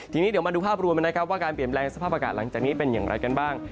ทีนี้เดี๋ยวมาดูภาพรวมนะครับว่าการเปลี่ยนแปลงสภาพอากาศหลังจากนี้เป็นอย่างไรกันบ้าง